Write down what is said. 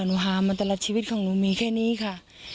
หนูหามาตลอดชีวิตของหนูมีแค่นี้ค่ะ